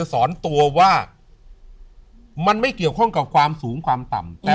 สอนตัวว่ามันไม่เกี่ยวข้องกับความสูงความต่ำแต่